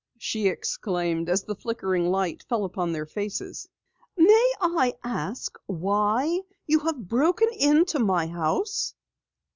she exclaimed as the flickering light fell upon their faces. "May I ask why you have broken into my house?"